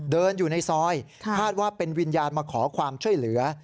เดินอยู่ในซอยคาดว่าเป็นวิญญาณมาขอความช่วยเหลือ